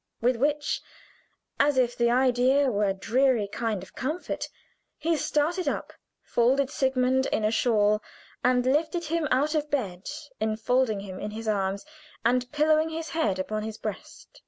With which, as if the idea were a dreary kind of comfort, he started up, folded Sigmund in a shawl, and lifted him out of bed, infolding him in his arms, and pillowing his head upon his breast.